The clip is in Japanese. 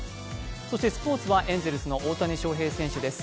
そしてスポーツはエンゼルスの大谷翔平選手です。